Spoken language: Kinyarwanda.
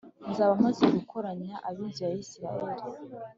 nzaba maze gukoranya ab’inzu ya Isirayeli